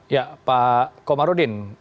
ya pak komarudin